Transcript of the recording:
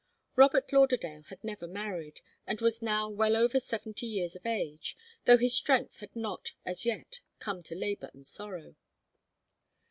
Robert Lauderdale had never married, and was now well over seventy years of age, though his strength had not as yet come to labour and sorrow.